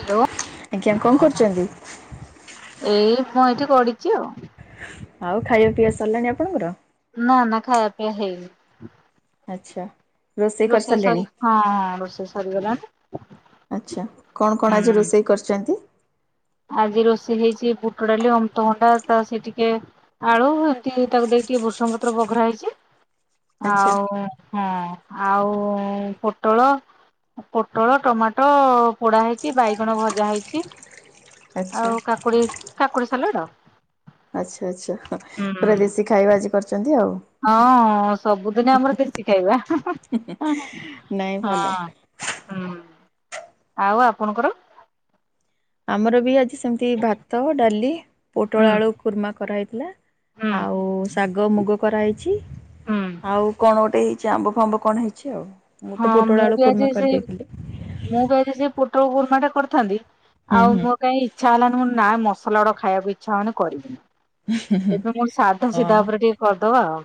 Hello ଆଜ୍ଞା କଣ କରୁଛନ୍ତି? ଏଇ ମୁଁ ଏଇଠି ଗଡିଛି ଆଉ। ଆଉ ଖାଇବା ପିଇବା ସରିଲାଣି ଆପଣଙ୍କର? ନା ନା ଖାଇବା ପିଇବା ହେଇନି। ଆଚ୍ଛା ରୋଷେଇ କରସିଲଣି? ହଁଁ ରୋଷେଇ ସରିଗଲାଣି। ଆଚ୍ଛା କଣ କଣ ଆଜି ହୁଁ। ରୋଷେଇ କରିଛନ୍ତି? ଆଜି ରୋଷେଇ ହେଇଛି ବୁଟ ଡାଲି ଅମୁତଭଣ୍ଡା ତା ସେ ଟିକେ ଆଳୁ ତାକୁ ଦେଇକି ଟିକେ ବୃଷଙ୍ଗ ପତ୍ର ବଘରା ହେଇଛି ଆଚ୍ଛା ଆଉ ହଁ ଆଉ ପୋଟଳ ପୋଟଳ ଟମାଟୋ ପୋଡା ହେଇଛି ବାଇଗଣ ଭଜା ହେଇଛି। ଆଛା ଆଉ କାକୁଡି କାକୁଡି ସାଲାଡ ଆଛା ଆଛା ହୁଁ ପୁରା ଦେଶୀ ଖାଇବା ଆଜି କରିଛନ୍ତି ଆଉ। ହଁ ସବୁଦିନେ ଆମର କିଛି ଖାଇବା ନାଇଁ ହଁ ଭଲ। ହୁଁ ଆଉ ଆପଣଙ୍କର? ଆମର ବି ଆଜି ସେମିତି ଭାତ ଡାଲି ହୁଁ ପୋଟଳ ଆଳୁ କୁର୍ମା କରାହୋଇଥିଲା। ହୁଁ ଆଉ ଶାଗ ମୁଗ କରାହେଇଛି ହୁଁ। ଆଉ କଣ ଗୋଟେ ଜମ୍ବୁ ଫାମ୍ବୁ କଣ ହେଇଛି ଆଉ ମୁଁ ତ ହଁ ପୋଟଳ ଆଳୁ ବି ଆଜି କୁର୍ମା ସେ କରିଦେଇଥିଲି। ମୁଁ ତ ଆଜି ସେ ପୋଟ ଗୁର୍ମା ଟା କରିଥାନ୍ତି ହୁଁ ଆଉ ହୁଁ ମୋ କାଇଁ ଇଛା ହେଲାନି ମୁଁ ନା ମସଲା ଗୋଡ଼ା ଖାବାକୁ ଇଛା ହଉନି କରିବିନି। ଏଥର ସାଧା ସିଧା ଉପରେ ହଁ। ଟିକେ କରିଦବା ଆଉ।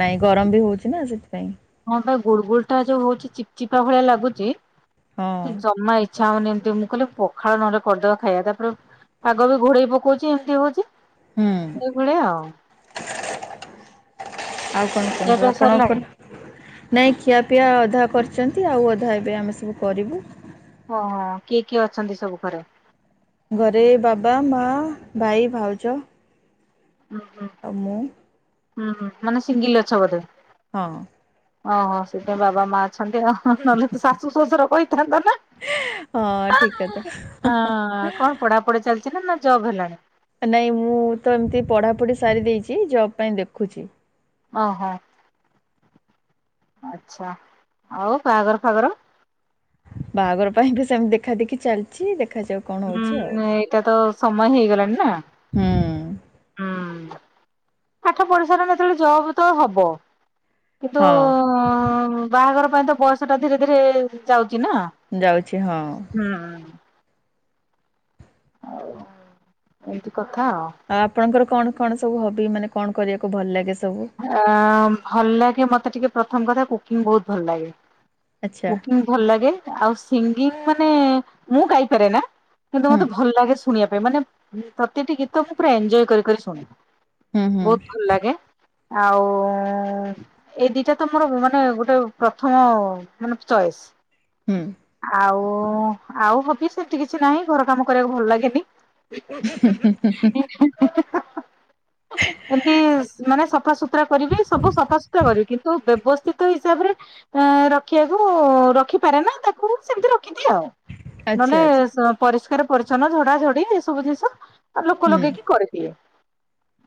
ନାଇଁ ଗରମ ବି ହଉଛି ନା ସେଥିପାଇଁ। ହଁ ପାଇଁ ଗୁଡ ଗୁଳ ଟା ଯୋଉ ହଉଛି ଚିପ ଚିପା ଭଳିଆ ଲାଗୁଛି ସେ ହଁ। ଜମା ଇ ଇଛା ହଉନି ଏମିତି ମୁଁ କହିଲେ ପଖାଳ ନହଲେ କରିଦବା ଖାଇବା ତାପରେ ପାଗବି ଘୋଡେଇ ପକଉଛି ଏମତି ହଉଛି ହୁଁ ସେଇଭଳିଆ ଆଉ। ଆଉ କଣ ଖିଆ କୁହନ୍ତୁ ପିଆ ସରିଲାଣି ଆପଣଙ୍କର? ନାଇଁ ଖିଆପିଆ ଅଧା କରିଛନ୍ତି ଆଉ ଅଧା ଏବେ ଆମେ ସବୁ କରିବୁ। ହଁ କିଏ କିଏ ଅଛନ୍ତି ସବୁ ଘରେ? ଘରେ ବାବା ମା ଭାଇ ଭାଉଜ। ହୁଁ ହୁଁ। ଆଉ ମୁଁ। ଉ ହୁଁ ମାନେ ସିଙ୍ଗିଲ ଅଛ ବୋଧେ? ହଁ। ଓହୋ ସେଥିଇଁ ବାବା ମା ଅଛନ୍ତି ନହେଲେ ତ ଶାଶୁ ଶ୍ୱଶୁର କହିଥାନ୍ତା ନା? ହଁ ଠିକ କଥା [unintelligible] ପଢା ପଢି ଚାଲିଛି ନା ଜବ୍ ହେଲାଣି? ନାଇଁ ମୁଁ ତ ଏମିତି ପଢ଼ାପଢ଼ି ସାରି ଦେଇଛି ଜବ ପାଇଁ ଦେଖୁଛି। ଓହୋ ଆଛା ଆଉ ବାହାଘର ଫାଘର? ବାହାଘର ପାଇଁ ତ ସେମିତି ଦେଖା ଦେଖି ଚାଲିଛି ଦେଖାଯାଉ। କଣ ହୁଁ ହଉଛି ଆଉ। ଉ ଏଇଟା ତ ସମୟ ହେଇଗଲାଣି ନା? ହୁଁ ହୁଁ ପାଠ ପଡିଶାର ଯେତେବେଳେ ଜବ ତ ହବ। କିନ୍ତୁ ହଁ ବାହାଘର ପାଇଁ ତ ବଇସା ଟା ଧୀରେ ଧୀରେ ଯାଉଛି ନା? ଯାଉଛି ହଁ। ହୁଁ। ଏମତି କଥା ଆଉ। ଆଉ ଆପଣଙ୍କର କଣ କଣ ସବୁ ହବି ମାନେ କଣ କରିବାକୁ ଭଲ ଲାଗେ ସବୁ? ଆ ଭଲ ଲାଗେ ମତେ ଟିକେ ପ୍ରଥମ କଥା କୁକିଂ ବହୁତ ଭଲ ଲାଗେ ଆଚ୍ଛା କୁକିଂ ଭଲ ଲେ ଆଉ ସିଙ୍ଗିଙ୍ଗ ମାନେ ମୁଁ ଗାଇପାରେ ନା କିନ୍ତୁ ହୁଁ ମତେ ଭଲ ଲାଗେ ଶୁ ଶୁଣିବା ପାଇଁ ମାନେ ପ୍ରତିଟି ଗୀତ ମୁ ପୁରା ଏନଜୟ କରିି କରି ଶୁଣେ ହୁଁ ହୁଁ ବହୁତ ଭଲ ଲାଗେ। ଆଉ ଉଁ ଉଁ। ଏଇ ଦିଟା ତ ମୋର ମାନେ ଗୋଟେ ପ୍ରଥମ ମାନେ ଚଏସ୍। ହୁଁ ଆଉ ଆଉ ହବି ସେମିତି କିଛି ନାଇଁ ଘର କାମ କରିବାକୁ ଭଲ ଲାଗେନି। ହୁଁ ହୁଁ ହୁଁ ହୁଁ। ଉଁ ହା ହା ହା ଏମିତି। ମାନେ ସଫାସୁତୁରା କରିବି ସବୁ ସଫାସୁତୁରା କରିବି କିନ୍ତୁ ବ୍ୟବସ୍ଥିତ ହିସାବରେ ଆଁ ରଖିଆକୁ ରଖିପାରେ ନା ତାକୁ ସେମିତି ରଖିଦିଏ ଆଉ। ଆଚ୍ଛା ନହେଲେ ଆଚ୍ଛା ପରିଷ୍କାର ପରିଚ୍ଛନ୍ନ ଝଡା ଝଡି ଏସବୁ ଜିନିଷ ଲୋକ ହୁଁ। ଲଗେଇକି କରିଦିଏ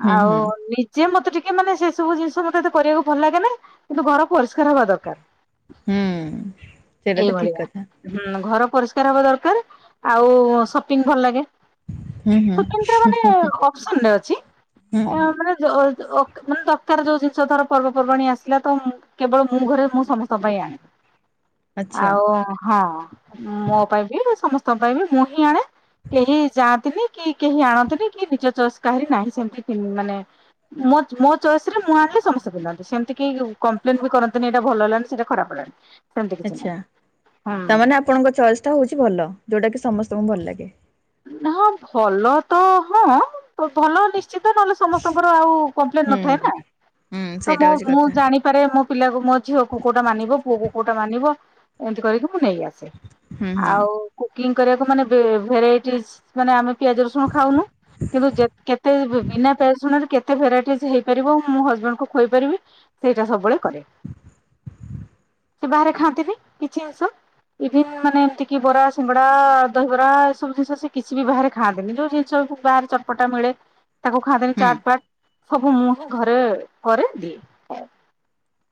ହୁଁ ହୁଁ ଆଉ ନି ଯେ ମତେ ଟିକେ ମାନେ ସେ ସବୁ ଜିନିଷ ମତେ ଏତେ କରିବାକୁ ଭଲ ଲାଗେନି କିନ୍ତୁ ଘର ପରିଷ୍କାର ହବା ଦରକାର। ହୁଁ ସେଇଟା ତ ଠିକ ଏଇଭଳିଆ କଥା। ହୁଁ ଘର ପରିଷ୍କାର ହବା ଦରକାର ଆଉ ସପିଙ୍ଗ ଭଲ ଲାଗେ। ହୁଁ ହୁଁ କୁକିଂଟା ମାନେ ଅପସନରେ ଅଛି ହୁଁ ଏ ମାନେ ଅ ଅକ୍ ମାନେ ଦରକାର ଯୋଉ ଜିନିଷ ଧର ପର୍ବପର୍ବାଣୀ ଆସିଲା ତ ମୁ କେବଳ ମୁଁ ଘରେ ମୁଁ ସମସ୍ତଙ୍କ ପାଇଁ ଆଣେ। ଆଚ୍ଛା ଆଉ ହଁ ମୋ ପାଇଁ ବି ସମସ୍ତଙ୍କ ପାଇଁ ବି ମୁଁ ହିଁ ଆଣେ। କେହି ଯାଆନ୍ତିନି କି କେହି ଆଣନ୍ତିନି କି ନିଜ ଚୟେସ୍ କାହାରି ନାହିଁ ସେମତି ମାନେ ମୋ ମୋ ଚଏସ ରେ ମୁଁ ଆଣିଲେ ସମସ୍ତେ ପିନ୍ଧନ୍ତି ସେମିତି କେହି କମ୍ପ୍ଲେନ ବି କରନ୍ତିନି ଏଇଟା ଭଲ ହେଲାନି ସେଟା ଖରାପ ହେଲାନି। ସେମିତି କିଛି ଆଛା ନାହିଁ ତାମାନେ ହୁଁ ଆପଣଙ୍କ ଚଏସ୍ ଟା ହଉଛି ଭଲ ଯୋଉଟା କି ସମସ୍ତଙ୍କୁ ଭଲ ଲାଗେ। ହଁ ଭଲ ତ ହଁ ଭଲ ନିଶ ଚିତ ନହେଲେ ସମସ୍ତଙ୍କର ଆଉ କମ୍ପ୍ଲେନ ହୁଁ ନଥାଏ ନା ହୁଁ ତ ସେଇଟା ମୁଁ ହଉଛି ମୁଁ କଥା ଜାଣି ପାରେ ମୋ ପିଲାକୁ ମୋ ଝିଅ କୁ କୋଉଟା ମାନିବ ପୁଅ କୋଉଟା ମାନିବ ଏନ୍ତି କରିକି ମୁଁ ନେଇ ଆସେ। ହୁଁ ହୁଁ ଆଉ କୁକିଂ କରିବାକୁ ମାନେ ବେ ଭେରାଇଟି ମାନେ ଆମେ ପିଆଜ ରସୁଣ ଖାଉନୁ। କିନ୍ତୁ ଯେ କେତେ ବିନା ପିଆଜ ରସୁଣ ରେ କେତେ ଭେରାଇଟି ଯେ ହେଇପାରିବ ମୁ ମୋ ହଜବେଣ୍ଡ ଙ୍କୁ ଖୁଆଇ ପାରିବି ସେଇଟା ସବୁବେଳେ କରେ। [inaudible] ସେ ବାହାରେ ଖାଆନ୍ତିନି କିଛି ଜିନିଷ। ଇଭିନ୍ ମାନେ ଏମିତି କି ବରା ସିଙ୍ଗଡ଼ା ଦହିବରା। ସବୁ ଜିନିଷ ସେ କିଛି ବି ବାହାରେ ଖାଆନ୍ତିନି ଯୋଉ ଜିନିଷକୁ ବାହାରେ ଚଟପଟା ମିଳେ। ତାକୁ ଖାଆନ୍ତିନି ହୁଁ ଚାଟ୍ ପାଟ ସବୁ ମୁଁ ହିଁ ଘରେ କରେ।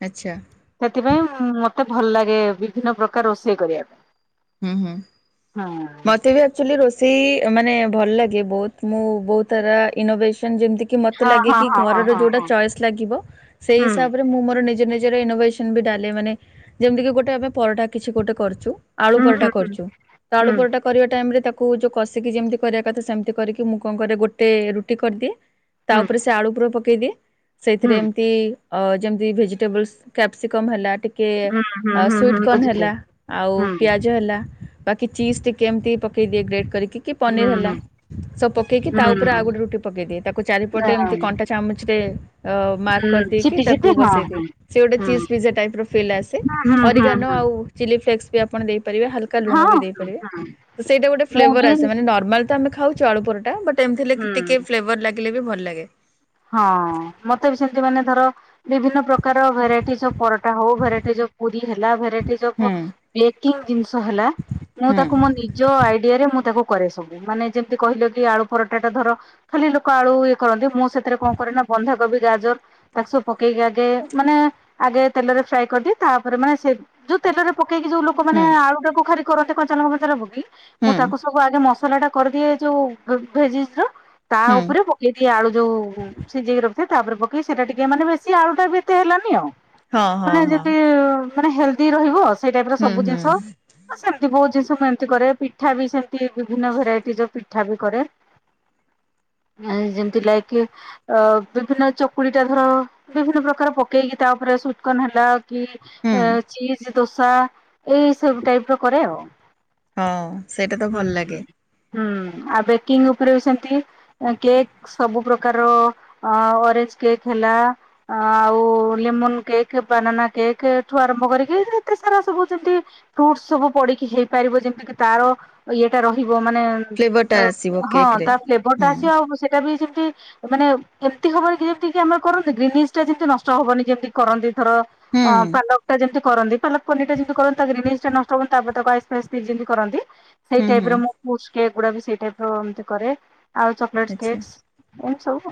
ଆଚ୍ଛା। ସେଥିପାଇଁ ମତେ ଭଲ ଲାଗେ ବିଭିନ୍ନ ପ୍ରକାର ରୋଷେଇ କରିଆ ପାଇଁ। ହୁଁ ହୁଁ ହଁ। ମତେ ବି ରୋଷେଇ ମାନେ ଭଲ ଲାଗେ ବହୁତ ମୁଁ ବହୁତ ଥର ଇନୋଭସନ ଯେମତି ମତେ ହଁ ଲାଗେ ହଁ କି ହଁ ହଁ ଘରର ହଁ ଯୋଉଟା ହଁ ଚଏସ୍ ଲାଗିବ ସେଇ ହୁଁ ହିସାବରେ ମୁଁ ମୋର ନିଜ ନିଜର ଇନୋଭେ ନ ବି ଡାଲେ ମାନେ ଯେମିତି କି ଗୋଟେ ଆମେ ପରଟା କିଛି ଗୋଟେ କରୁଚୁ ଆଳୁ ହୁଁ ପରଟା ହୁଁ ହୁଁ। କରୁ ଚୁତ ଆଳୁ ହୁଁ ପରଟା କରିବା ଟାଇମ ରେ ତାକୁ ଯଉ କଷିକି ଯେମିତି କରିବା କଥା ସେମିତି କରିକି ମୁଁ କଣ କରେ ଗୋଟେ ରୁଟି କରିଦିଏ। ତା ହୁଁ ଉପରେ ସେ ଆଳୁ ପୁର ପକେଇଦିଏ ହୁଁ ସେଇଥିରେ ଏମିତି ଅ ଯେମିତି ଭେଜିଟେବଲ୍ସ କ୍ୟାପ୍ସିକମ୍ ହେଲା ଟି କିଏ ହୁଁ ହୁଁ ହୁଁ ସୁଇଟ ହୁଁ କର୍ନ ବୁଝିଲି ହେଲା ଆଉ ହୁଁ ଜ ହେଲା ବାକି ଚିଜ୍ ଟିକିଏ ଏମିତି ପକେଇଦିଏ ଗ୍ରେଡ଼୍ କରିକି। କି ପନିର ହୁଁ ହେଲା ହୁଁ। ସବୁ ପକେଇକି ତା ଉପରେ ଆଉ ହୁଁ ଗୋଟେ ରୁଟି ପକେଇ ଦିଏ ତାକୁ ଚାରିପଟେ ଏମତି କଣ୍ଟା ଚାମଚ ରେ ଅ ମାର୍କ ହୁଁ କରିଦେଇକି ଚିପି ତାକୁ ଚିପି ହଁ ବସେଇଦିଏ। ହଁ। ସେ ଗୋଟେ ହୁଁ ଚିଜ୍ ପିଜା ଟାଇପର ଫିଲ୍ ଆସେ ହୁଁ ହୁଁ ଅରିଗାନ ହୁଁ ଆଉ ଚିଲି ଫ୍ଲେକ୍ସ୍ ବି ଆପଣ ଦେଇପାରିବେ ହାଲକା ଲୁଣ ହଁ ବି ଦେଇପାରିବେ ତ ସେଇଟା ଗୋଟେ ମୁଁ ଫ୍ଲେଭର୍ ବି ଆସେ ମାନେ ନର୍ମାଲ ତ ଆମେ ଖାଉଚୁ ଆଳୁପରଟା, ବଟ୍ ଏମତି ହେଲେ ହୁଁ। ଟିକେ ଫ୍ଲେଭର୍ ଲାଗିଲେ ବି ଭଲ ଲାଗେ। ହଁ, ମତେ ବି ସେମତି ମାନେ ଧର ବିଭିନ୍ନ ପ୍ରକାର ଭେରାଇଟି ଯୋଉ ପରଟା ହୋଉ ଭେରାଇଟିଯୋଉ ପୁରୀ ହେଲା ଭେରାଇ ହୁଁ [unintelligible] ବେକିଂ ଜିନଷ ହେଲା ମୁଁ ହୁଁ ତାକୁ ମୋ ନି ନିଜ ଆଇଡିଆରେ ମୁଁ ତାକୁ କରେ ସବୁ। ମାନେ ଯେମତି କହିଲ କି ଆଳୁ ପରଟା ଟା ଧର ଖାଲି ଲୋକ ଆଳୁ ଇଏ କରନ୍ତି ମୁଁ ସେଥିରେ କଣ କରେ ନା ବନ୍ଧାକୋବି ଗାଜର ତାକୁ ସବୁ ପକେଇକି ଆଗେ ମାନେ ଆଗେ ତେଲରେ ଫ୍ରାଏ କରଦିଏ ତାପରେ ମାନେ ସେ ଯୋଉ ତେଲରେ ପକେଇକି ଯୋଉ ଲୋକ ମାନେ ଆଳୁଟାକୁ ଖାରି କରନ୍ତି କଞ୍ଚା ଲଙ୍କା ଫଙ୍କା ଲଙ୍କା ପକେଇ ମୁଁ ହୁଁ ତାକୁ ସବୁ ଆଗେ ମସଲା ଟା କରିଦିଏ ଯୋଉ ଭେଜିଜ୍ ର ତା ହୁଁ ହୁଁ ଉପରେ ପକେଇ ଦିଏ ଆଳୁ ଯୋଉ ସିଜେଇ କି ରଖିଥାଏ, ତାପରେ ପକେଇ ସେଟା ଟିକେ, ମାନେ ବେଶୀ ଆଳୁ ଟା ବେଶୀ ଏତେ ହେଲାନି ଆଉ। ହଁ ହଁ ମାନେ ହଁ ଯେନ୍ତି ମାନେ ହେଲ୍ଦି ରହିବ ସେ ଟାଇପ ର ହୁଁ ସବୁ ହୁଁ ଜିନ୍ଷ ସେମତି ବହୁତ ଜିନ୍ଷ ମୁଁ ଏମତି କରେ। ପିଠା ବି ସେମତି ବିଭିନ୍ନ ଭେରାଇଟିଜ ପିଠା ବି କରେ। ନାଇ ଯେମତି ଲାଇକିି ଅ ବିଭିନ୍ନ ଚକୁଳି ଟାଇଫର, ବିଭିନ୍ନ ପ୍ରକାର ପକେଇକି ତା ଉପରେ ସୁତ୍କନ ହେଲା କି ହୁଁ ଚିଜ୍, ଦୋସା ଏଇ ସବୁ ଟାଇପ ର କରେ ଆଉ। ହଁ, ସେଇଟା ତ ହୁଁ ଭଲ୍ ଲାଗେ। ହୁଁ, ଆଉ ବେକିଂ ଉପରେ ବି ସେମତି କେକ୍ ସବୁପ୍ରକ୍ କାର ଆଉ ଅରେଜ୍ କେକ୍ ହେଲା ଆଉ ଲେମୋନ୍ କେକ୍, ବାନାନା କେକ୍, ଏଠୁ ଆରମ୍ଭ କରିକି ଏତେ ସାରା ସବୁ ଯେମତି ଫ୍ରୁଟ୍ସ୍ ସବୁ ପଡିକି ହେଇପାରିବ ଯେମତି କି ତାର ଇଏଟା ରହିବ ମାନେ ଫ୍ଲେଭର ଟା ଆସିବ କେକ୍ ହଁ ରେ। ତା ଫ୍ଲେଭର୍ ହୁଁ ଟା ଆସିବ, ହୁଁ ଆଉ ସେଟା ବି ଯିମ୍ତି ମାନେ ଏମ୍ତି ହବନି କି ଯେମତିକି ଆମର କରନ୍ତି ଗ୍ରିନିସ୍ ଟା ଯେମିତି ନଷ୍ଟ ହବନି ଯେମତି କରନ୍ତି ଥର ଆ [unintelligible] ଯେମିତି କରନ୍ତି ପାଲକ୍ ପନିର୍ ଟା ଯେମତି କରନ୍ତି ତା ଗ୍ରିନିସ୍ ଟା ନଷ୍ଟ ହବନି ତାପରେ ତାକୁ ଆଇସ୍ ଫାଇସ୍ ଯେମ୍ତି କରନ୍ତି ସେଇ ହୁଁ ହୁଁ ଟାଇପ ର ମୁଁ ଫ୍ରୁଟ୍ସ୍ କେକ୍ ଗୁଡା ବି ସେଇ ଟାଇପ ର ଏମ୍ତି କରେ ଆଉ ଚକଲେଟ୍ସ୍ କେକ୍ସ୍ ସବୁ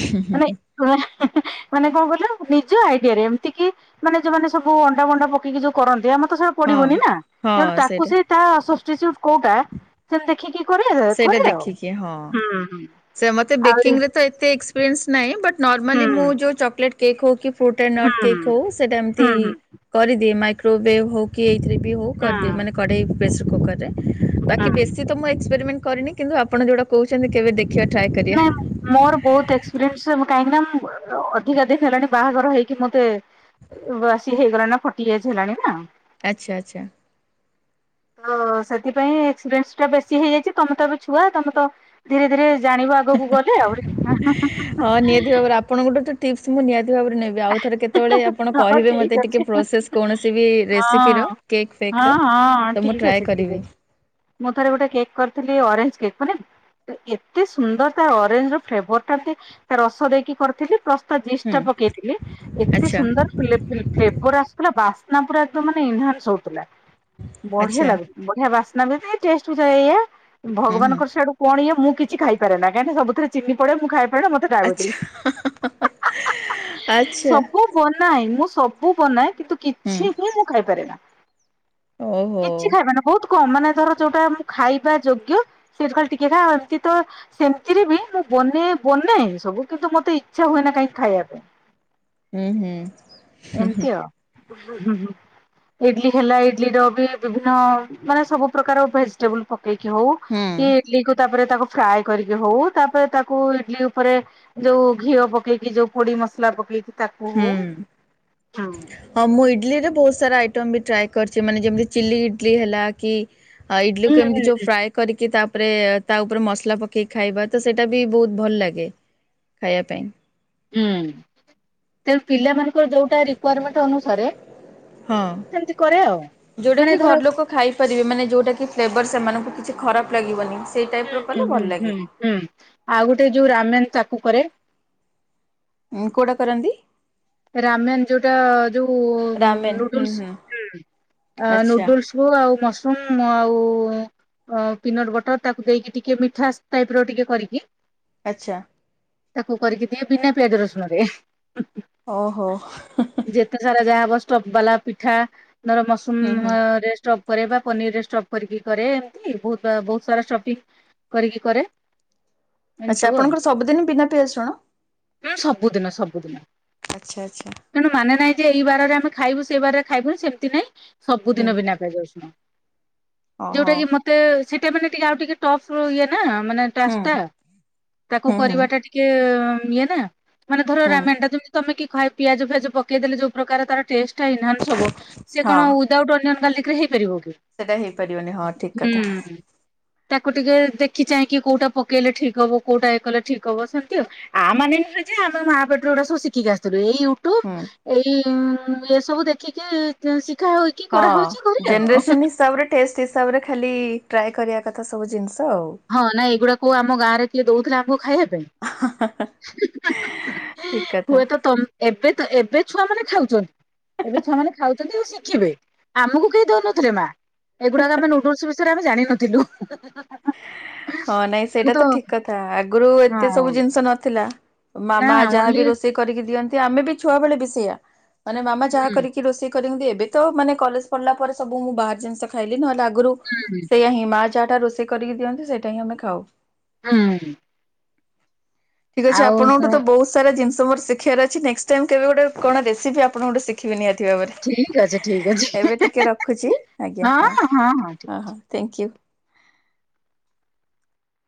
ହୁଁ, ହୁଁ, ହୁଁ। ଉହେଁହେଁ, ହେଁ ମାନେ କଣ କଇଲ ନିଜ ଆଇଡିଆରେ ଏମତି କି ମାନେ ଯୋଉମାନେ ସବୁ ଅଣ୍ଡା, ବଣ୍ଡା ପକେଇ କି ଯୋଉ କରନ୍ତି ଆମର୍ ତ ସେଵ୍ ହଁ ପଡିବନି ନା ତେଣୁ ହଁ ତାକୁ ସେଇଟା ସେ ତା ସୋଷ୍ଟିଚ୍ୟୁଜ୍ କୋଉଟା ସେମତି ଦେଖିକି କୋରିଆ ସେଇଟା କୋରିଆଓ ଦେଖିକି ହଁ। ହୁଁ, ହୁଁ। ସେ ମୋତେ ଆହୁରି ବେକିଂ ରେ ତ ଏତେ ଏକ୍ସପ୍ରେନ୍ସ ନାହିଁ ବଟ୍ ନର୍ମାଲି ହୁଁ ମୁଁ ଯୋଉ ଚକ୍ଲେଟ୍ କେକ୍ ହୋଉ କି ଫ୍ରୁଟ୍ ଆ ହୁଁ ନଟ୍ ହୁଁ କେକ୍ ହୋଉ ସେଇଟା ଏମତି ହୁଁ କରିଦିଏ ମାଇକ୍ରୋୱେଭ୍ ହୋଉ କି ଏଇଥିରେ ବି ହୋଉ ହୁଁ କରଦିଏ ମାନେ କଢେଇ ପ୍ରେସର କୁକରରେ ବାକି ହୁଁ ବେଶୀ ତ ମୁଁ ଏକ୍ସପେରିମେଣ୍ଟ୍ କରିନି, କିନ୍ତୁ ଆପଣ ଯୋଉଟା କହୁଛନ୍ତି କେବେ ଦେଖିବା ଟ୍ରାଏ ନାଇଁ କରିବା। ମୋର ବହୁତ ଏକ୍ସପ୍ରେନ୍ସ୍ ମୁଁ କାହିଁକି ନା ମୁଁ [unintelligible] ଅଧିକା ଦିନ୍ ହେଲାଣି ବାହାଘର ହେଇକି ମୋତେ ବୟାସି ହେଇଗଲାଣି ନା ଫଟି ଏଜ୍ ହେଲାଣି ନା ଆଚ୍ଛା, ଆଚ୍ଛା! ଅଁ, ସେଥିପାଇଁ ଏକ୍ସପ୍ରେନ୍ସ୍ ଟା ବେଶୀ ହେଇଯାଇଚି, ତମେ ତ ଏବେ ଛୁଆ ତମେ ତ ଧୀରେ ଧୀରେ ଜାଣିବ ଆ କୁ ଗଲେ ଆଉ [unintelligible] ଆପଣଙ୍କୋଠୁ ଟିପ୍ସ୍ ମୁଁ ନିହାତି ଭାବରେ ନେବି ଆଉ ଥରେ କେତେବେଳେ ଆପଣ ହଁ କହିବେ ଠିକ ମତେ ଟିକେ ଅଛି। ପ୍ରୋସେସ୍ କୌଣସି ବି ରେସିପିର ହଁ କେକ୍ ଫେକ୍ ହଁ ର। ହଁ ତ ମୁଁ ଠିକ ଟ୍ରାଏ ଅଛି ଠିକ କରିବି। ଅଛି ମୁଁ ଥରେ ଗୋଟେ କେକ୍ କରଥିଲି ଅରେଂଚ୍ କେକ୍ ମାନେ ଏତେ ସୁନ୍ଦର ତା ଅରେଞ୍ଜ୍ ର ଫ୍ଲେଭର୍ ଟା ତା ରସ ଦେଇକି କରଥିଲି ପ୍ଲସ୍ ତା ଜିସ୍ ହୁଁ ଟା ପକେଇଥିଲି ଏତେ ଆଚ୍ଛା ସୁନ୍ଦର୍ ଫିଲେ, ଫିଲେ, ଫ୍ଲେଭର୍ ଆସଥୁଲା ବାସ୍ନା ପୁରା ଏକଦମ୍ ମାନେ ଇନହାନ୍ସ୍ ହଉଥିଲା ବଢ୍ୟା ଆଚ୍ଛା ଲାଗୁ ବଢିଆ ବାସ୍ନା ବି। ଚେଷ୍ଟ ବି ଏଆ। ହୁଁ ହୁଁ ଭଗବାନଙ୍କର ସେଆଡୁ ପଣି। ମୁଁ କିଛି ଖାଇପାରେ ନା। କାହିଁକି ସବୁଥିରେ ଚିନି ପଡେଁ। ମୁଁ ଖାଇ ଆଚଛା। ସବୁ ବନାଏ ମୁଁ ସବୁ ବନାଏ କିନ୍ତୁ ହୁଁ କିଛି ହିଁ ମୁଁ ଖାଇପାରେ ନା। ଓହୋ କିଛି ଖାଇବାନା, ବହୁତ କମ ମାନେ ଧର ଯୋଉଟା ଖାଇବା ଯୋଗ୍ୟ ସେଇଥୁରୁ ଖାଲି ଟିକେ ଖାଏ ଆ ଏମତିତ ସେମିତିରେ ବି ମୁଁ ବନେଇ, ବନେଇ ସବୁ। କିନ୍ତୁ ମତେ ଇଚ୍ଛା ହୁଏ ନା କାହିଁକି ଖାଇବା ପାଇଁ। ହୁଁ, ହୁଁ। ହୁଁ ଏମିତି ଆଉ। ଇଡଲି ହେଲା। ଇଡଲି ର ବି ବିଭିନ୍ନ, ମାନେ ସବୁ ପ୍ରକାର ଭେଜିଟେବୁଲ ପକେଇକି ହଉ ହୁଁ ହୁଁ କି ଇଡଲିକୁ ତାପରେ ତାକୁ ଫ୍ରାଏ କରିକି ହଉ, ତାପରେ ତାକୁ ଇଡଲି ଉପରେ ଯୋଉ ଘିଅ ପକେଇକି ଯୋଉ ପୋଡି ମସଲା ପକେଇକି ତାକୁ ହଉ ହୁଁ। ହୁଁ। ହଁ ମୁଁ ଇଡଲି ରେ ବହୁତ ସାରା ଆଇଟମ ବି ଟ୍ରାଏ କରିଛି। ମାନେ ଯେମିତି ଚିଲି ଇଡଲି ହେଲା କି ଆ ଇଡଲିକୁ ହୁଁ ହୁଁ କେମିତି ଯୋଉ ଫ୍ରାଏ କରିକି ତାପରେ ତା ଉପରେ ମସଲା ପକେଇକି ଖାଇବା ତ ସେଇଟା ବି ବହୁତ ଭଲ ଲାଗେ ଖାଇବା ପାଇଁ। ହୁଁ। ତେଣୁ ପିଲାମାନ ଙ୍କର ଯୋଉଟା ରିକ୍ଵାରମେଣ୍ଟ ଅନୁସାରେ ହଁ ସେମିତି କରେ ଆଉ। ଯୋଉଟା କି ମାନେ ଘର ଧର ଲୋକ ଖାଇପାରିବେ। ମାନେ ଯେଉଁଟାକି ଫ୍ଲେଭର୍ ସେମାନଙ୍କୁ କିଛି ଖରାପ ଲାଗିବନି ସେଇ ହୁଁ ଟାଇପର ହୁଁ କଲେ ଭଲ ହୁଁ ହୁଁ ଲାଗେ। ହୁଁ। ଆଉ ଗୋଟେ ଯୋଉ [unintelligible] ତାକୁ କରେ। ଉଁ କୋଉଟା କରନ୍ତି? ରାମେନ୍ ଯୋଉଟା ଯୋଉ ରାମେନ୍ ହୁଁ ହୁଁ ନୁଡୁଲସ ଆଚ୍ଛା ନୁଡୁଲସ ଆଉ ମସରୁମ ଆଉ ଅ ପିନଟ ବଟର ତାକୁ ଦେଇକି ଟିକେ ମିଠା ଟାଇପ ର ଟିକେ କରିକି ଆଛା। ତାକୁ କରିକି ଦିଏ ବିନା ପିଆଜ ରସୁଣ ରେ। ଓହୋ। ଯେତେ ସାରା ଯାହା ହବ ଷ୍ଟବ୍ ବାଲା ପିଠା ନହଲେ ହୁଁ ହୁଁ ମସୁମରେ ଷ୍ଟପ କରେ। ବା ପନିର ରେ ଷ୍ଟପ୍ କରିକି କରେ। ଏମତି ବହୁ ବହୁତ ସାରା ଷ୍ଟପିଙ୍ଗ କରିକି କରେ। ଏମିତି ଆଚ୍ଛା ସବୁ ଆଉ ଆପଣଙ୍କର ସବୁଦିନ ବିନା ପିଆଜ ରଶୁଣ? ସବୁଦିନ ସବୁଦିନ ଆଛା ଆଛା। ତେଣୁ ମାନେ ନାହିଁ ଯେ ଏଇ ବାରରେ ଆମେ ଖାଇବୁ, ସେଇ ବାରରେ ଖାଇବୁନୁ ସେମିତି ନାଇଁ। ହୁଁ ସବୁଦିନ ବିନା ପିଆଜ ରସୁଣ। ଯୋଉଟା ଓହୋ କି ମତେ ସେଇଟା ମାନେ ଟିକେ ଆଉ ଟିକେ ଟଫ ଇଏ ନା। ମାନେ ହୁଁ ଟାସ୍କ ଟା। ତାକୁ ହୁଁ ହୁଁ କରିବା ଟା ଟିକେ ଇଏ ନା। ମାନେ ଧର ହୁଁ ରାମେନ୍ ଟା ଯେମିତି ତମେ କି ଖାଇ ପିଆଜ ଫିଆଜ ପକେଇ ଦେଲେ ଯୋଉ ପ୍ରକାର ତାର ଟେଷ୍ଟ ଟା ଏନହାନ୍ସ ହବ ସେ ହଁ। କଣ ୱିଥ୍ ଆଉଟ୍ ଓନିଅନ୍ ଗର୍ଲିକ୍ ରେ ହେଇପାରିବ କି? ସେଟା ହେଇପାରିବନି ହଁ ଠିକ କଥା ତାକୁ ଟିକେ ଦେଖି ଚାହିଁକି କୋଉଟା ପକେଇଲେ ଠିକ ହବ କୋଉଟା ଏଇ କଲେ ଠିକ ହବ, ସେମିତି ଆଉ। ଆ ମାନେ ନୁହେଁ ଯେ ଆମେ ମା ପେଟରୁ ଏଗୁଡା ସବୁ ଶିଖିକି ଆସିଥିଲୁ। ଏଇ ୟୁଟୁବ ହୁଁ। ଏଇ ଏ ସବୁ ଦେଖିକି ଶିଖା ହଉ ହଁ। ଜେନେରେସନ ହିସାବରେ ଟଷ୍ଟ ହିସାବରେ ଖାଲି ଟ୍ରାଏ କରିବା କଥା ସବୁ ଜିନିଷ ଆଉ। ହଁ। ନାଇଁ ଏଇଗୁଡା କୋଉ ଆମ ଗାଁରେ କିଏ ଦଉଥିଲା ଆମକୁ ଖାଇବା ପାଇଁ? ଠିକ କଥା। ହୁଏତ ତମ ଏବେ ଏବେ ଛୁଆ ମାନେ ଖାଉଚନ୍ତି। ଏବେ ଛୁଆମାନେ ଖାଉଚନ୍ତି ଉ ଶିଖିବେ। ଆମକୁ କେହି ଦଉନଥିଲେ ମା। ଏଇଗୁଡାକ ଆମେ ନୁଡୁଲସ ବିଷୟରେ ଆମେ ଜାଣିନଥିଲୁ। ହଁ ନାଇଁ ସେଇଟା ତ ଠିକ କଥା। ଆଗରୁ ଏତେ ହଁ ସବୁ ଜିନିଷ ନଥିଲା। ନା ମାମା ଓନ୍ଲି ଯାହାବି ରୋଷେଇ ଦିଅନ୍ତି ଆମେ ବି ଛୁଆ ବେଳେ ବି ସେଇଆ। ମାନେ ମାମା ଯାହା ହୁଁ କରିକି ରୋଷେଇ କରନ୍ତି ଏବେ ତ ମାନେ କଲେଜ ପଢିଲା ପରେ ସବୁ ମୁଁ ବାହାର ଜିନିଷ ଖାଇଲି। ନହେଲେ ଆଗରୁ ହୁଁ। ଏ ଆ ହିଁ ମା ଯହା ଟା ରୋଷେଇ କରିକି ଦିଅନ୍ତି ସେଟା ହିଁ ଆମେ ଖାଉ। ହୁଁ। ଠିକ ଅଛି ଆଉ ଆପଣଙ୍କଠୁ ତ ବହୁତ ସାରା ଜିନିଷ ମୋର ଶଖିବାର ଅଛି। ନେକ୍ସଟ୍ ଟାଇମ୍ କେବେ ଗୋଟେ କଣ ରେସିପି ଆପଣ ସିଖି ଶିଖିବି ନିହାତି ଭାବରେ ଠିକ ଅଛି ଠିକ ଅଛି ଏବେ ଟିକେ ରଖୁଛି ଆଜ୍ଞା ହଁ ହ ହଁ। Thank you.